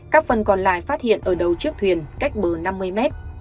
các phần còn lại phát hiện ở đầu chiếc thuyền cách bờ năm mươi mét